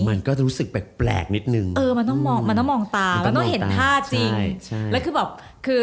มันก็จะรู้สึกแปลกนิดนึงเออมันต้องมองตามันต้องเห็นท่าจริงและคือแบบ